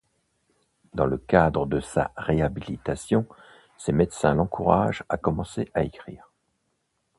Dans le cadre de sa réhabilitation, ses médecins l'encouragent à commencer à écrire.